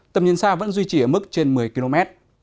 tầm nhìn xa vẫn duy trì ở mức trên một mươi km